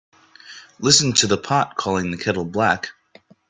Listen to the pot calling the kettle black.